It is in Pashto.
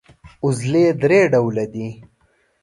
عضلې درې ډوله دي.